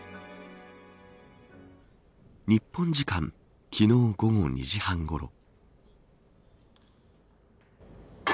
日本時間昨日午後２時半ごろ。